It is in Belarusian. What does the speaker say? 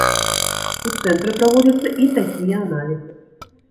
У цэнтры праводзяцца і такія аналізы.